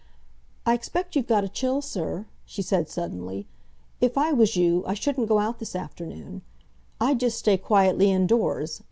"I expect you've got a chill, sir," she said suddenly. "If I was you, I shouldn't go out this afternoon; I'd just stay quietly indoors.